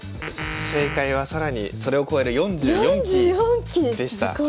正解は更にそれを超える４４期でした。